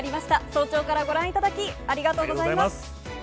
早朝からご覧いただきありがとうございます。